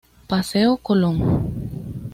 Paseo Colón.